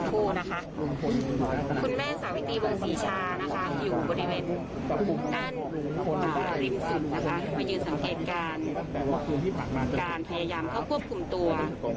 คนมาอริมสุดนะคะมายืนสังเกตการพยายามเข้าควบคุมตัว